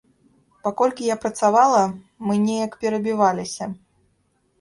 Паколькі я працавала, мы неяк перабіваліся.